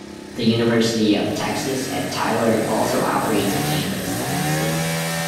The University of Texas at Tyler also operates a campus in the city.